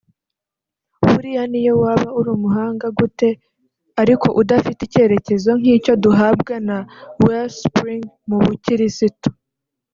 Buriya n’iyo waba uri umuhanga gute ariko udafite icyerekezo nk’icyo duhabwa na Wellspring mu Bukirisitu